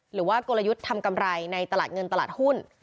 กลยุทธ์ทำกำไรในตลาดเงินตลาดหุ้น